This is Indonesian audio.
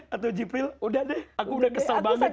atau jibril udah deh aku udah kesal banget gitu